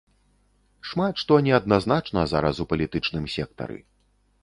Шмат што неадназначна зараз у палітычным сектары.